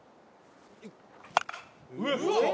「うわっ！